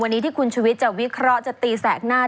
วันนี้ที่คุณชุวิตจะวิเคราะห์จะตีแสกหน้า